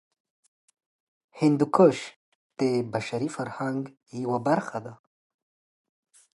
هندوکش د بشري فرهنګ یوه برخه ده.